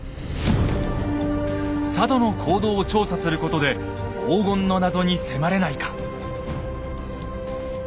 佐渡の坑道を調査することで黄金の謎に迫れないか。